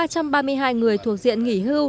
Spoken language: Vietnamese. ba trăm ba mươi hai người thuộc diện nghỉ hưu